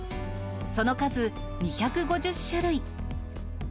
その数２５０種類。